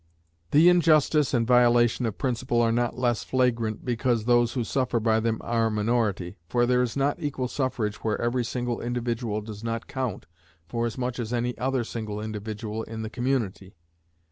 The injustice and violation of principle are not less flagrant because those who suffer by them are a minority, for there is not equal suffrage where every single individual does not count for as much as any other single individual in the community.